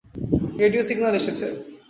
Radio signal এসেছে।